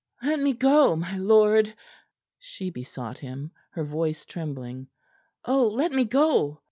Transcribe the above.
"Let me go, my lord," she besought him, her voice trembling. "Oh, let me go!"